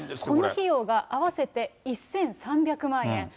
この費用が合わせて１３００万円。